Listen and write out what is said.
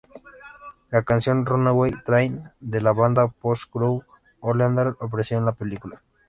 La canción "Runaway Train" de la banda post-grunge, Oleander, apareció en la película.